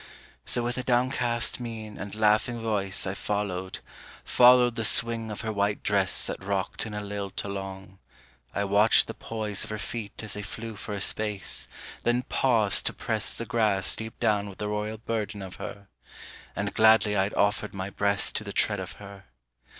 So with a downcast mien and laughing voice I followed, followed the swing of her white dress That rocked in a lilt along: I watched the poise Of her feet as they flew for a space, then paused to press The grass deep down with the royal burden of her: And gladly I'd offered my breast to the tread of her.